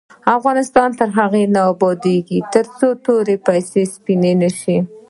افغانستان تر هغو نه ابادیږي، ترڅو توري پیسې سپینې نشي.